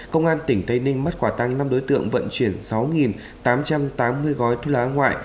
công an tỉnh tây ninh bắt quả tăng năm đối tượng vận chuyển sáu tám trăm tám mươi gói thuốc lá ngoại